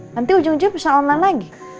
nanti ujung ujung pesen online lagi